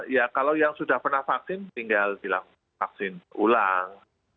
ya kalau yang sudah pernah vaksin tinggal dilakukan vaksin ulang